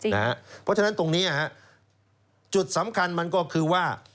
เพราะฉะนั้นตรงนี้จุดสำคัญมันก็คือว่า